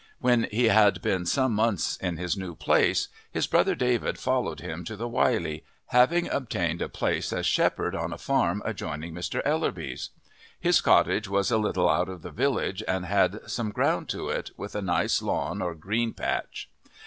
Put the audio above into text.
When he had been some months in his new place his brother David followed him to the Wylye, having obtained a place as shepherd on a farm adjoining Mr. Ellerby's. His cottage was a little out of the village and had some ground to it, with a nice lawn or green patch.